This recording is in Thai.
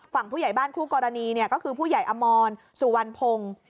ผู้ใหญ่บ้านคู่กรณีก็คือผู้ใหญ่อมรสุวรรณพงศ์